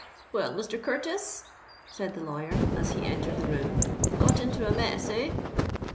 "Well, Mr. Curtis," said the lawyer, as he entered the room; "got into a mess—eh?"